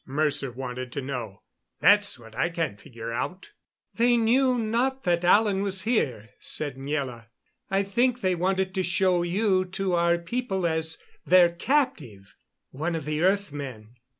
Mercer wanted to know. "That's what I can't figure out." "They knew not that Alan was here," said Miela. "I think they wanted to show you to our people as their captive one of the earth men."